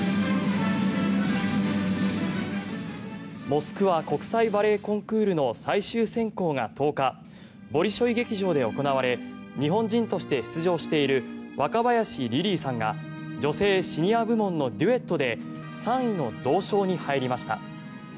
モスクワ国際バレエコンクールの最終選考が１０日ボリショイ劇場で行われ日本人として出場している若林莉々妃さんが女性シニア部門のデュエットで３位の銅賞に入りました。